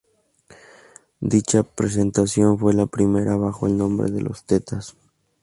Dicha presentación fue la primera bajo el nombre de Los Tetas.